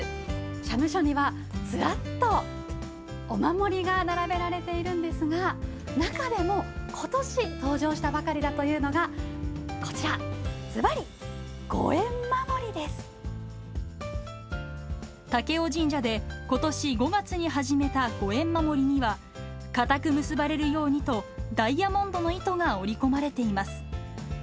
社務所には、ずらっとお守りが並べられているんですが、中でも、ことし登場したばかりだというのが、こちら、ずばり、武雄神社でことし５月に始めたご縁守には、固く結ばれるようにと、ダイヤモンドの糸が織り込まれています。